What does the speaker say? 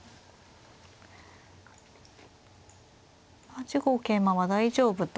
８五桂馬は大丈夫と。